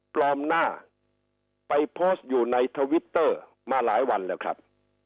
ปลอมหน้าไปโพสต์อยู่ในทวิตเตอร์มาหลายวันแล้วครับ